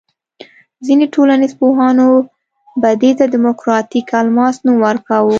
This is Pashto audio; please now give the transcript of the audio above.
ځینې ټولنیز پوهانو به دې ته دیموکراتیک الماس نوم ورکاوه.